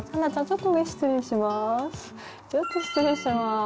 ちょっと失礼します。